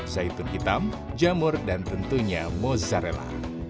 zaitun hitam jamur dan tentunya mozzarella